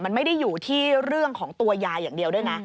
มันไม่ได้อยู่ที่เรื่องของตัวยายอย่างเดียวด้วยนะ